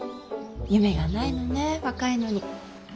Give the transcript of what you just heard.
夢がないのねえ若いのに。